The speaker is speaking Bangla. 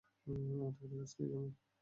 আমরা তো বড়লোক্স হইযা যামু।